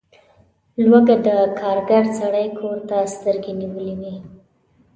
لوږه د کارګر سړي کور ته سترګې نیولي وي.